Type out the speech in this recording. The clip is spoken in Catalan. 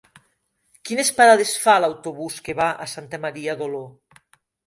Quines parades fa l'autobús que va a Santa Maria d'Oló?